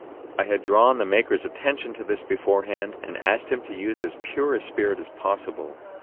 I had drawn the maker's attention to this beforehand and asked him to use as pure a spirit as possible.